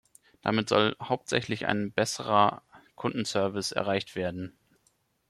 Damit soll hauptsächlich ein besserer Kundenservice erreicht werden.